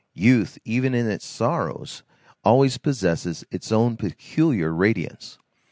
Youth, even in its sorrows, always possesses its own peculiar radiance.